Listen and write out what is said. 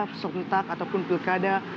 pesontak ataupun pilkada